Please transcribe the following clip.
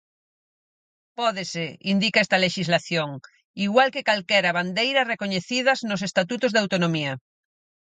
Pódese, indica esta lexislación, igual que calquera bandeira recoñecidas nos estatutos de autonomía.